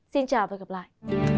xin chào và hẹn gặp lại